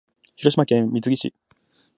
広島県三次市